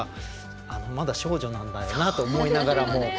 まだ少女なんだよなと思いながらも。